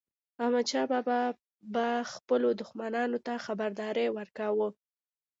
احمدشاه بابا به خپلو دښمنانو ته خبرداری ورکاوه.